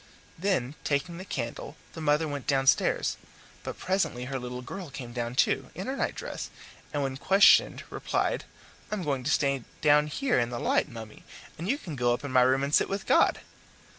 Then, taking the candle, the mother went downstairs; but presently her little girl came down too, in her nightdress, and, when questioned, replied, "I'm going to stay down here in the light, mummy, and you can go up to my room and sit with God."